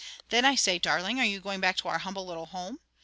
Then I say: 'Darling, are you going back to our humble little home?'